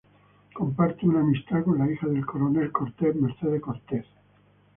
Comparte una "amistad" con la hija del Coronel Cortez, Mercedes Cortez.